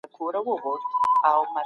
لاس ورکړئ.